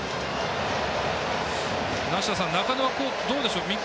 梨田さん、中野はどうでしょう。